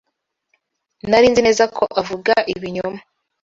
Nari nzi neza ko avuga ibinyoma.